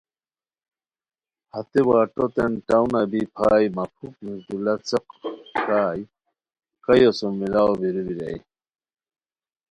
ہتے وائووتین ٹاونہ بی پھائے مہ پُھک (میردولو څیق کائے) کایو سُم ملاؤ بیرو بیرائے